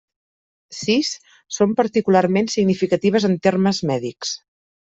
Sis són particularment significatives en termes mèdics.